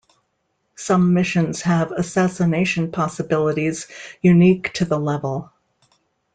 Some missions have assassination possibilities unique to the level.